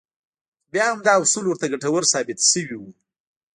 خو بيا هم دا اصول ورته ګټور ثابت شوي وو.